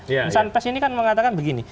misalkan pes ini kan mengatakan begini